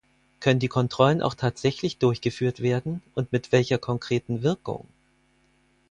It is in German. Können die Kontrollen auch tatsächlich durchgeführt werden, und mit welcher konkreten Wirkung?